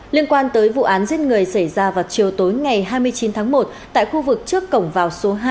liên quan tới vụ án giết người xảy ra vào chiều tối ngày hai mươi chín tháng một tại khu vực trước cổng vào số hai